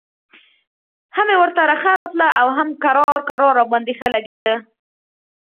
هم مې ورته رخه راتله او هم کرار کرار راباندې ښه لګېده.